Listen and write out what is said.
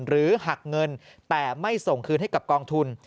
หักเงินแต่ไม่ส่งคืนให้กับกองทุน